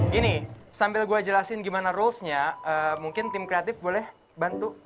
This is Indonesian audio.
gini sambil gue jelasin gimana rulesnya mungkin tim kreatif boleh bantu